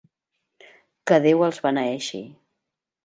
Que Déu els beneeixi.